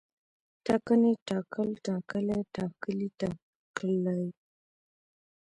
ټاکنې، ټاکل، ټاکلی، ټاکلي، ټاکلې